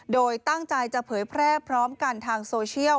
โดยตั้งใจจะเผยแพร่พร้อมกันทางโซเชียล